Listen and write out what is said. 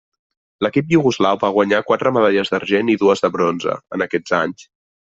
L'equip iugoslau va guanyar quatre medalles d'argent i dues de bronze, en aquests anys.